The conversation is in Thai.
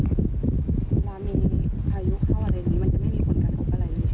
เวลามีภายุเข้าอะไรหรือมันจะไม่มีผลการทอบอะไร